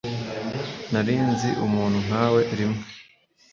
Nari nzi umuntu nkawe rimwe.